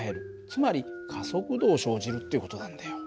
つまり加速度を生じるっていう事なんだよ。